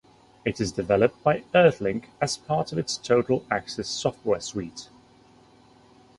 It is developed by Earthlink as part of its Total Access software suite.